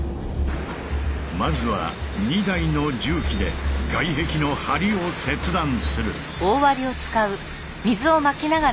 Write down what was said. まずは２台の重機で外壁の梁を切断する。